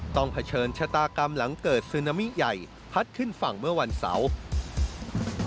เผชิญชะตากรรมหลังเกิดซึนามิใหญ่พัดขึ้นฝั่งเมื่อวันเสาร์